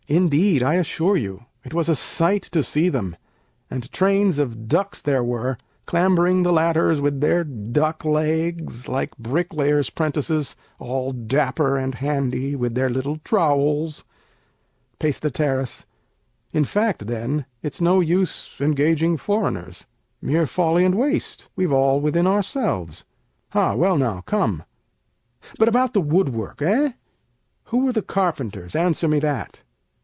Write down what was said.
Indeed, I assure you, it was a sight to see them; And trains of ducks there were, clambering the ladders With their duck legs, like bricklayers' 'prentices, All dapper and handy, with their little trowels. Peis. In fact, then, it's no use engaging foreigners; Mere folly and waste, we've all within ourselves. Ah, well now, come! But about the woodwork? Heh! Who were the carpenters? Answer me that!